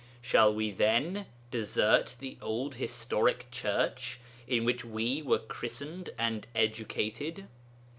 Shall we, then, desert the old historic Church in which we were christened and educated?